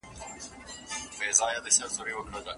لوستې نجونې د ټولنې ګډې ستونزې حلوي.